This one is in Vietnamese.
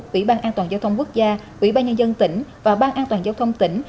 ủy ban an toàn giao thông quốc gia ủy ban nhân dân tỉnh và ban an toàn giao thông tỉnh